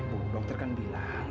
ibu dokter kan bilang